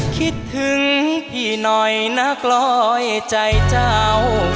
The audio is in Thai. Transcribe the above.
คิดถึงพี่หน่อยนักร้อยใจเจ้า